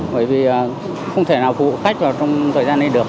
bởi vì không thể nào phụ khách vào trong thời gian này được